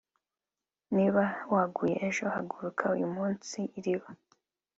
niba waguye ejo, haguruka uyu munsi. - h. g. iriba